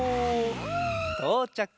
とうちゃく。